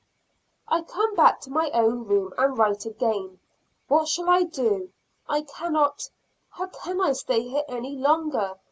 I come back to my own room and write again; what shall I do? I cannot how can I stay here any longer!